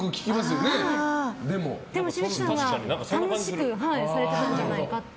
紫吹さんは楽しくされてたんじゃないかって。